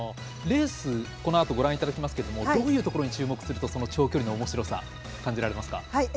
レース、このあとご覧いただきますけれどもどんなところに注目すると長距離のおもしろさ感じられますか？